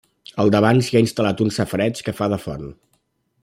Al davant s'hi ha instal·lat un safareig que fa de font.